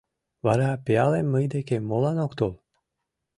— Вара пиалем мый декем молан ок тол?